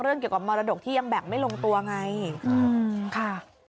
เกี่ยวกับมรดกที่ยังแบ่งไม่ลงตัวไงค่ะ